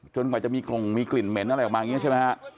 กว่าจะมีกรงมีกลิ่นเหม็นอะไรออกมาอย่างนี้ใช่ไหมฮะ